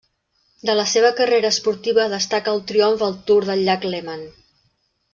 De la seva carrera esportiva destaca el triomf al Tour del llac Léman.